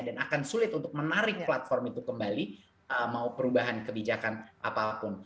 dan akan sulit untuk menarik platform itu kembali mau perubahan kebijakan apapun